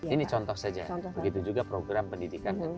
ini contoh saja begitu juga program pendidikan